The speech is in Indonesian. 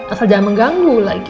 asal jangan mengganggu lagi